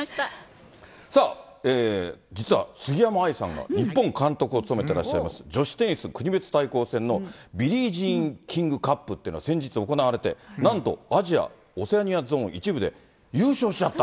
さあ、実は杉山愛さんが日本監督を務めてらっしゃいます女子テニス国別対抗戦のビリー・ジーン・キングカップっていうのが先日行われて、なんとアジア・オセアニアゾーン１部で優勝しちゃった。